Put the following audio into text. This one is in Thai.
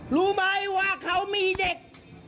รู้ไหมว่าเขามีเด็ก